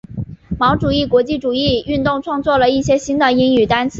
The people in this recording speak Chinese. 毛主义国际主义运动创作了一些新的英语单词。